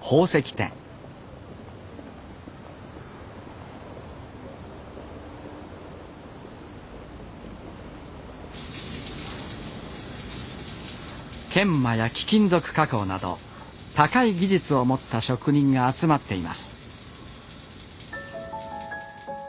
宝石店研磨や貴金属加工など高い技術を持った職人が集まっています